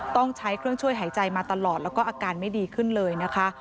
ต้องใช้เครื่องช่วยหายใจมาตลอดแล้วก็อาการไม่ดีขึ้นเลยนะคะ